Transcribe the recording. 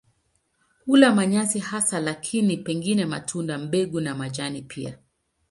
Hula manyasi hasa lakini pengine matunda, mbegu na majani pia.